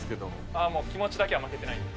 あっもう気持ちだけは負けてないんで。